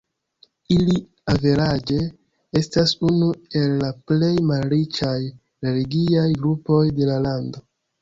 Ili averaĝe estas unu el la plej malriĉaj religiaj grupoj de la lando.